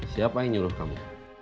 siapa yang nyuruh kamu